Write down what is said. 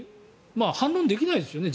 反論できないですよね